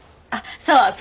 あっそう。